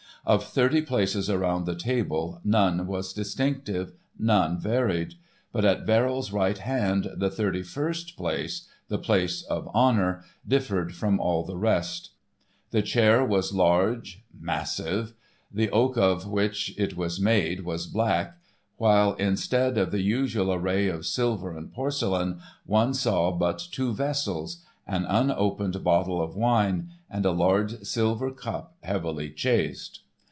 Of thirty places around the table, none was distinctive, none varied. But at Verrill's right hand the thirty first place, the place of honour, differed from all the rest. The chair was large, massive. The oak of which it was made was black, while instead of the usual array of silver and porcelain, one saw but two vessels,—an unopened bottle of wine and a large silver cup heavily chased.